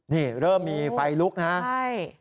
นี่เริ่มมีไฟลุกนะใช่